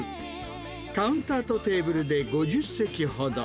カウンターとテーブルで５０席ほど。